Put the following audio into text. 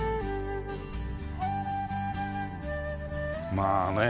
まあね。